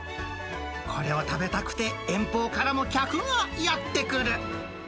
これを食べたくて遠方からも客がやって来る。